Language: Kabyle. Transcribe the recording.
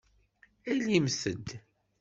Alimt-d!